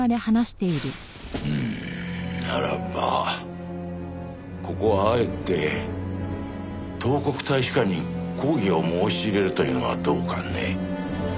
うんならばここはあえて東国大使館に抗議を申し入れるというのはどうかね？